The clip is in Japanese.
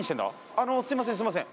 あのすいませんすいません